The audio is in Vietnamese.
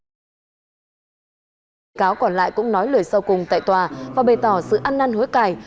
bị cáo còn lại cũng nói lời sau cùng tại tòa và bày tỏ sự ăn năn hối cài